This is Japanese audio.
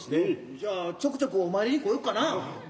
じゃあちょくちょくお参りに来ようかな。